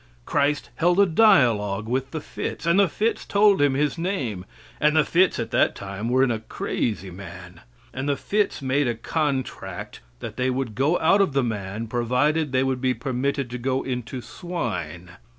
Christ held a dialogue with the fits, and the fits told Him his name, and the fits at that time were in a crazy man. And the fits made a contract that they would go out of the man provided they would be permitted to go into swine.